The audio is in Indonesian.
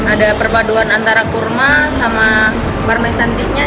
ada perpaduan antara kurma sama parmesan cheese nya